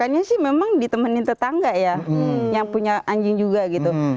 biasanya sih memang ditemenin tetangga ya yang punya anjing juga gitu